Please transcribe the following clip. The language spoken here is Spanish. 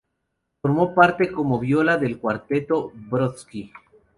Formó parte como viola del cuarteto Brodsky.